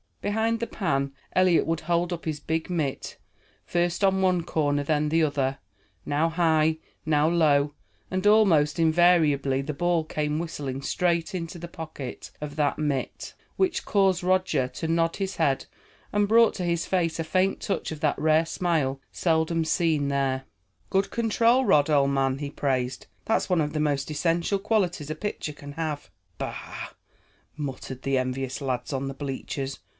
Behind the pan Eliot would hold up his big mitt first on one corner then the other, now high, now low, and almost invariably the ball came whistling straight into the pocket of that mitt, which caused Roger to nod his head and brought to his face a faint touch of that rare smile seldom seen there. "Good control, Rod, old man," he praised. "That's one of the most essential qualities a pitcher can have." "Bah!" muttered the envious lad on the bleachers.